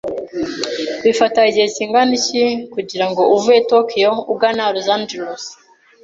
Bifata igihe kingana iki kugira ngo uve i Tokiyo ugana Los Angeles?